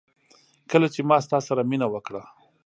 کله چي ما ستا سره مينه وکړه